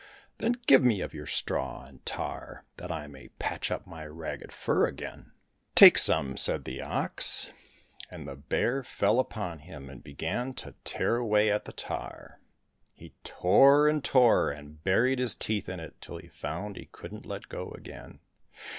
Then give me of your straw and tar, that I may patch up my ragged fur again !"—" Take some," said the ox, and 139 COSSACK FAIRY TALES the bear fell upon him and began to tear away at the tar. He tore and tore, and buried his teeth in it till he found he couldn't let go again.